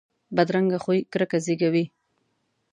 بدرنګه خوی کرکه زیږوي